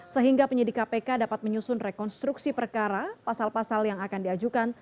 sehingga penyidik kpk dapat menyusun rekonstruksi perkara pasal pasal yang akan diajukan